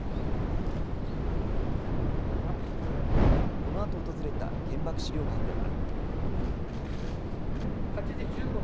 このあと訪れた原爆資料館では。